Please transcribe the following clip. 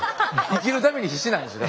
生きるために必死なんですよ。